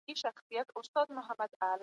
انسان نه سي کولای د ژوند حق سلب کړي.